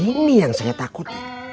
ini yang saya takut